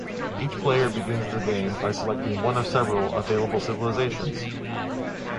Each player begins the game by selecting one of several available civilizations.